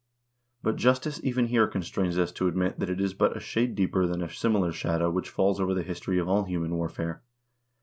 But justice even here constrains us to admit that it is but / a shade deeper than a similar shadow which falls over the history of all human warfare.